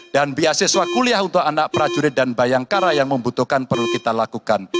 dan beasiswa kuliah untuk anak prajurit dan bayangkara yang membutuhkan perlu kita lakukan